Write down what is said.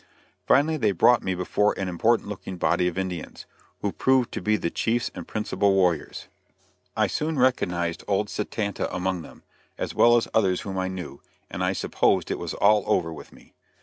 Finally they brought me before an important looking body of Indians, who proved to be the chiefs and principal warriors. I soon recognized old Satanta among them, as well as others whom I knew, and I supposed it was all over with me.